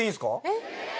えっ？